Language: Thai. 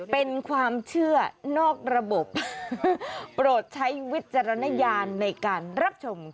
เป็นความเชื่อนอกระบบโปรดใช้วิจารณญาณในการรับชม